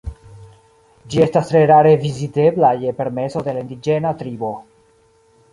Ĝi estas tre rare vizitebla je permeso de la indiĝena tribo.